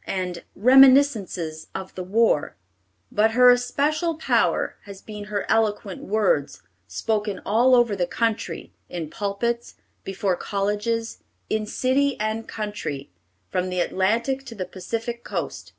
_ and Reminiscences of the War; but her especial power has been her eloquent words, spoken all over the country, in pulpits, before colleges, in city and country, from the Atlantic to the Pacific Coast.